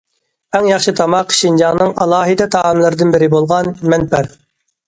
ئەڭ ياخشى تاماق شىنجاڭنىڭ ئالاھىدە تائاملىرىدىن بىرى بولغان مەنپەر.